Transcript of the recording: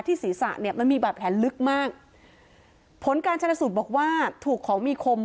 ศีรษะเนี่ยมันมีบาดแผลลึกมากผลการชนสูตรบอกว่าถูกของมีคม